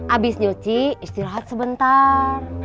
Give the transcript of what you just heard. abis nyuci istirahat sebentar